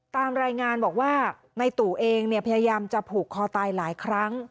ตามรายงานบอกว่าในตู่เองพยายามจะผูกคอตายหลายครั้ง